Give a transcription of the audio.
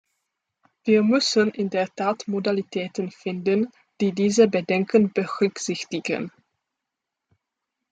Wir müssen in der Tat Modalitäten finden, die diese Bedenken berücksichtigen.